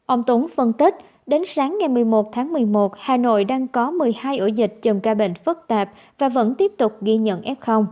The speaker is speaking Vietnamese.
ông tuấn phân tích đến sáng ngày một mươi một tháng một mươi một hà nội đang có một mươi hai ổ dịch chầm ca bệnh phức tạp và vẫn tiếp tục ghi nhận f